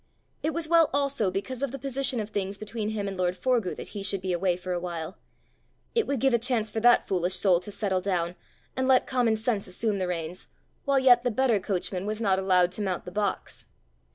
It was well also because of the position of things between him and lord Forgue, that he should be away for a while: it would give a chance for that foolish soul to settle down, and let common sense assume the reins, while yet the better coachman was not allowed to mount the box!